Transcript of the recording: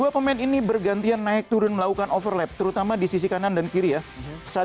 dua pemain ini bergantian naik turun melakukan overlap terutama di sisi kanan dan kiri ya saat